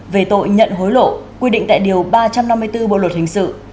về tội nhận hối lộ quy định tại điều ba trăm năm mươi bốn bộ luật hình sự